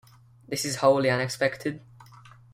This is wholly unexpected.